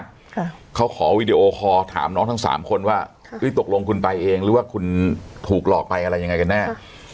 ค่ะเขาขอวิดีโอคอล์ถามน้องทั้ง๓คนว่าก็อธิบายเองหรือว่าคุณถูกหลอกไปอะไรอย่างไรแน่